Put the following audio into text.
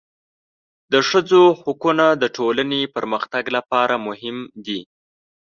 د ښځو حقونه د ټولنې پرمختګ لپاره مهم دي.